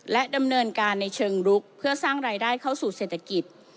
และดำเนินการในเชิงลุกเพื่อสร้างรายได้เข้าสู่เศรษฐกิจ